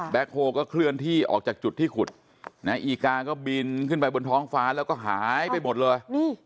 โฮก็เคลื่อนที่ออกจากจุดที่ขุดอีกาก็บินขึ้นไปบนท้องฟ้าแล้วก็หายไปหมดเลย